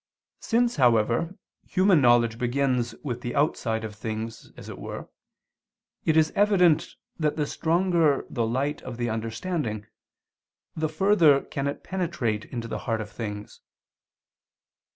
Since, however, human knowledge begins with the outside of things as it were, it is evident that the stronger the light of the understanding, the further can it penetrate into the heart of things.